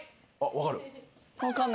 分かる？